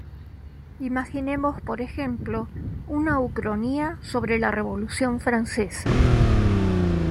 Imaginemos por ejemplo una ucronía sobre la Revolución francesa.